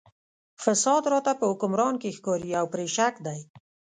فساد راته په حکمران کې ښکاري او پرې شک دی.